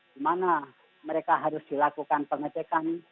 gimana mereka harus dilakukan pengecekan